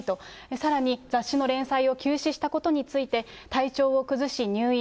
さらに雑誌の連載を休止したことについて体調を崩し入院。